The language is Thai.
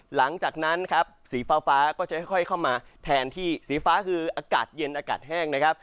หลังจากนั้นครับสีฟ้าก็จะค่อยเข้ามาแทนที่สีฟ้าคืออากาศเย็นอากาศแห้งนะครับ